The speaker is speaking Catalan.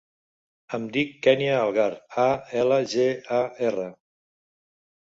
Em dic Kènia Algar: a, ela, ge, a, erra.